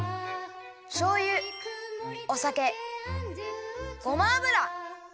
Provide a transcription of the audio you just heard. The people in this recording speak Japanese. しょうゆおさけごま油